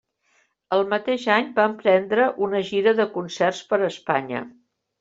El mateix any va emprendre una gira de concerts per Espanya.